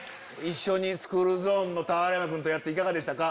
スクールゾーンの俵山君とやっていかがでしたか？